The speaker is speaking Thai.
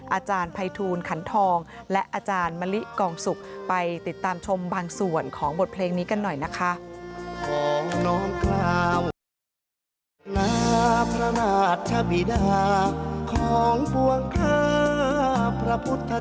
อาจารย์ภัยทูลขันทองและอาจารย์มะลิกองสุกไปติดตามชมบางส่วนของบทเพลงนี้กันหน่อยนะคะ